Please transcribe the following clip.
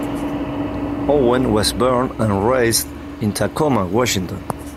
Owen was born and raised in Tacoma, Washington.